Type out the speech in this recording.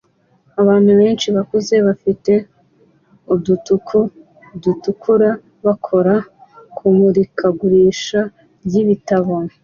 Abantu benshi bakuze bafite udutuku dutukura bakora kumurikagurisha ryibitabo